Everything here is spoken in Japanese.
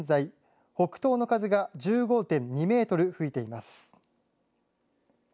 午前０時３０分現在北東の風が１５．２メートル吹いています。